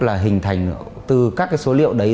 là hình thành từ các số liệu đấy